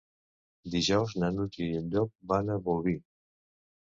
Dijous na Núria i en Llop van a Bolvir.